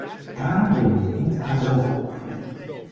Daarom doen we hier niet aan zelfopoffering.